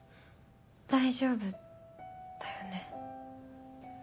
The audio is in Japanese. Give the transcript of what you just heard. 大丈夫だよね？